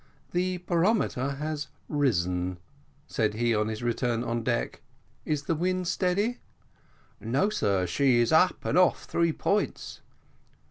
"The barometer has risen," said he on his return on deck. "Is the wind steady?" "No, sir, she's up and off three points."